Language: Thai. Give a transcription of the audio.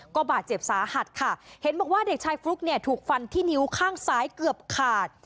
ก็บาดเจ็บสาหัสค่ะเห็นบอกว่าเด็กชายฟลุ๊กเนี่ยถูกฟันที่นิ้วข้างซ้ายเกือบขาด